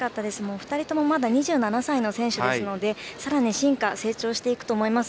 ２人ともまだ２７歳の選手なのでさらに進化、成長していくと思います。